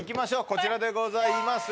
こちらでございます